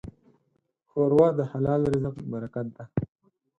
ښوروا د حلال رزق برکت ده.